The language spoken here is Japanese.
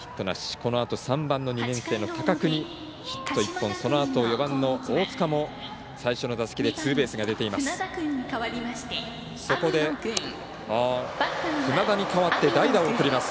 このあと３番の２年生の高久にヒット１本そのあと４番の大塚も最初の打席でツーベースが出ています。